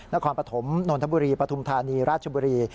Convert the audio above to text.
นครปฐมนนทบุรีปฐุมธานีราชบุรี